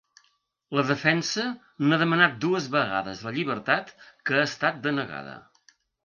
La defensa n’ha demanat dues vegades la llibertat, que ha estat denegada.